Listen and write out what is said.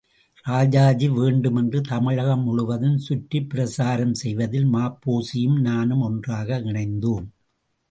ராஜாஜி வேண்டும் என்று தமிழகம் முழுவதும் சுற்றிப் பிரசாரம் செய்வதில் ம.பொ.சியும் நானும் ஒன்றாக இணைந்தோம்.